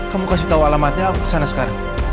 kamu kasih tahu alamatnya aku kesana sekarang